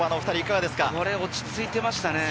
これ落ち着いてましたね。